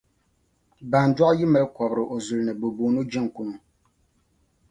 Bandɔɣu yi mali kɔbiri o zuli ni bɛ bi booni o jɛŋkuno.